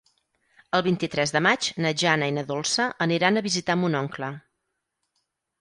El vint-i-tres de maig na Jana i na Dolça aniran a visitar mon oncle.